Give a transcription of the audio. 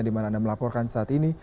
di mana anda melaporkan saat ini